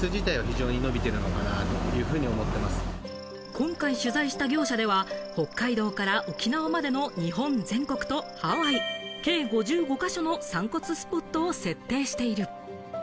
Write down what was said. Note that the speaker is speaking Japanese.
今回取材した業者では、北海道から沖縄までの日本全国とハワイ、計５５か所の散骨スポットを設定している。